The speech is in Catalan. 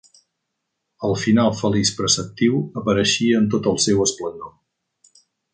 El final feliç preceptiu apareixia amb tot el seu esplendor.